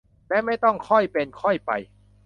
และไม่ต้อง "ค่อยเป็นค่อยไป"